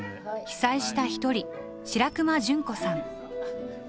被災した一人白熊准子さん。